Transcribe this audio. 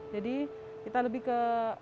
jadi kita lebih ke